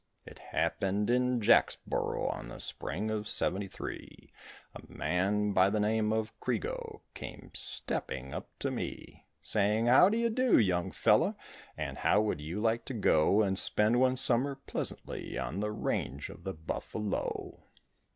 It happened in Jacksboro in the spring of seventy three, A man by the name of Crego came stepping up to me, Saying, "How do you do, young fellow, and how would you like to go And spend one summer pleasantly on the range of the buffalo?"